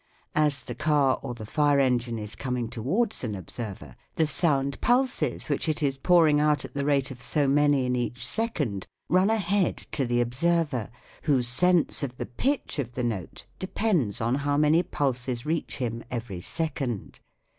As the car or the fire engine is coming towards an observer, the sound pulses, which it is pouring out at the rate of so many in each second, run ahead to the observer, whose sense of the pitch of the note depends on how many pulses reach him every second.